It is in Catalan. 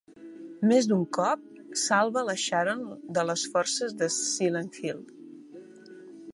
Més d'un cop, salva la Sharon de les forces de Silent Hill.